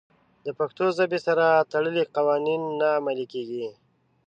د پښتو ژبې سره تړلي قوانین نه عملي کېږي.